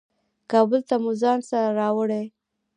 کابل ته مو ځان سره راوړې.